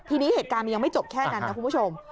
ทีนี้เหตุการณ์มันยังไม่จบแค่นั้นนะคุณผู้ชม